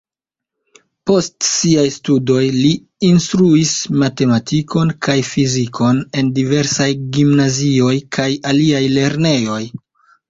Post siaj studoj li instruis matematikon kaj fizikon en diversaj gimnazioj kaj aliaj lernejoj.